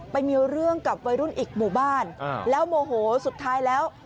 ไปมีเรื่องกับวัยรุ่นอีกหมู่บ้านแล้วโมโหสุดท้ายแล้ว